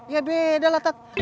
ya beda lah tat